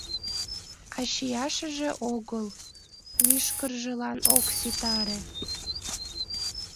А чияшыже огыл, мӱшкыржыланат ок ситаре.